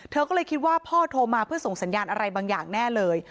เธอก็เลยคิดว่าพ่อโทรมาเพื่อส่งสัญญาณอะไรบางอย่างแน่เลย